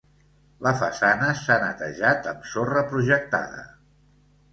La façana s'ha netejat amb sorra projectada.